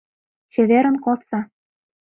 Чеверын кодса...